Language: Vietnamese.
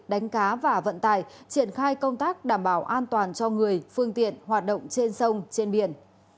đánh cá và vận tải triển khai công tác đảm bảo an toàn cho người phương tiện hoạt động trên sông trên biển